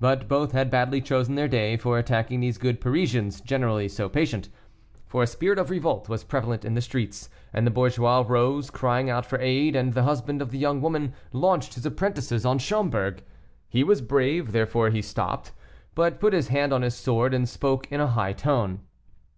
But both had badly chosen their day for attacking these good Parisians, generally so patient; for a spirit of revolt was prevalent in the streets, and the bourgeois rose, crying out for aid, and the husband of the young woman launched his apprentices on Schomberg. He was brave; therefore he stopped, put his hand on his sword, and spoke in a high tone.